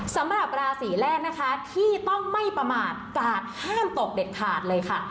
สำหรับราศีแรกนะคะที่ต้องไม่ประมาทกาดห้ามตกเด็ดขาดเลยค่ะ